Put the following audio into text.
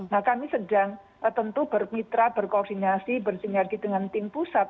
nah kami sedang tentu bermitra berkoordinasi bersinergi dengan tim pusat